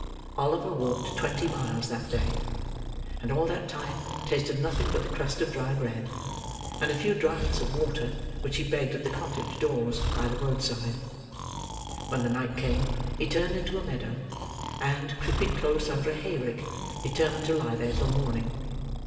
Oliver walked twenty miles that day; and all that time tasted nothing but the crust of dry bread, and a few draughts of water, which he begged at the cottage doors by the road side. When the night came, he turned into a meadow; and, creeping close under a hay rick, determined to lie there, till morning.